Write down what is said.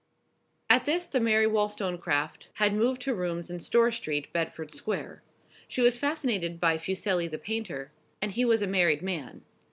At this time Mary Wollstonecraft had moved to rooms in Store Street, Bedford Square. She was fascinated by Fuseli the painter, and he was a married man.